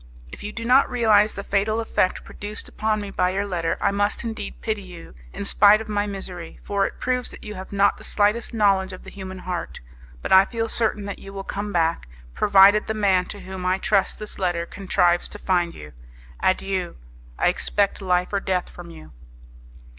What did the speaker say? If you do not realize the fatal effect produced upon me by your letter, I must indeed pity you, in spite of my misery, for it proves that you have not the slightest knowledge of the human heart. But I feel certain that you will come back, provided the man to whom I trust this letter contrives to find you. Adieu! I expect life or death from you."